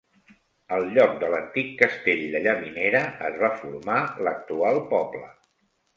Al lloc de l'antic castell de Llavinera es va formar l'actual poble.